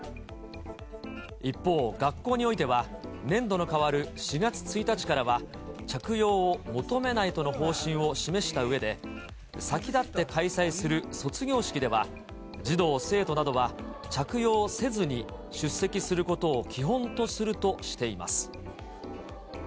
一方、学校においては、年度の変わる４月１日からは、着用を求めないとの方針を示したうえで、先立って開催する卒業式では、児童・生徒などは着用せずに出席することを基本とするとしています。